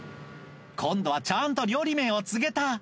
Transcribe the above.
今度はちゃんと料理名を告げた。